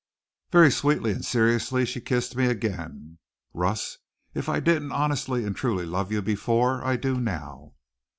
Very sweetly and seriously she kissed me again. "Russ, if I didn't honestly and truly love you before, I do now."